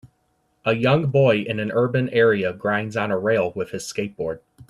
A young boy in an urban area grinds on a rail with his skateboard.